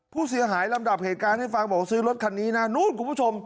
ผู้เสียหายลำดับเหตุการณ์ให้ฟังบอกว่าซื้อรถคันนี้นะนู้นคุณผู้ชม